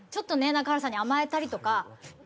中原さんに甘えたりとか。